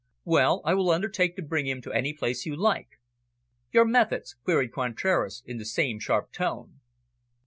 Well, I will undertake to bring him to any place you like." "Your methods?" queried Contraras, in the same sharp tone.